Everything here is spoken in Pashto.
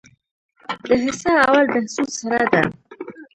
د حصه اول بهسود سړه ده